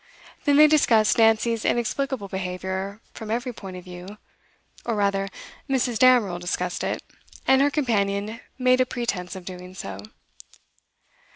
Then they discussed Nancy's inexplicable behaviour from every point of view; or rather, Mrs. Damerel discussed it, and her companion made a pretence of doing so.